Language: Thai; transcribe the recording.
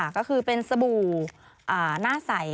ก็คือเป็นสบู่หน้าใส